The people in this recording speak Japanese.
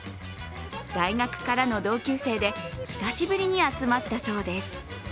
大学からの同級生で、久しぶりに集まったそうです。